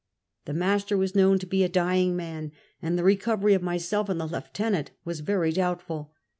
The master was known to be a dying man, and the recovery of myself and the lieutenant was very dolitbtful.